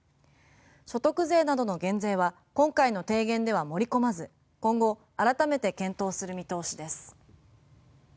所得税などの減税は今回の提言では盛り込まず今後改めて検討する見通しです。